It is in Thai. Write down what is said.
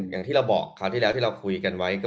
อย่างที่เราบอกคราวที่เราเคยคุยกันไว้